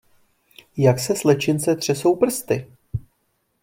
Jak se slečince třesou prsty!